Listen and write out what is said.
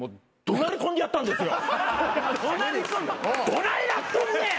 どないなっとんねん！